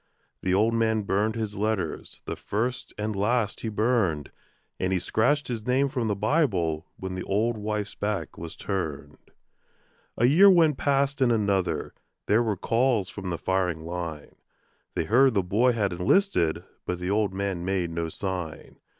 The old man burned his letters, the first and last he burned, And he scratched his name from the Bible when the old wife's back was turned. A year went past and another. There were calls from the firing line; They heard the boy had enlisted, but the old man made no sign.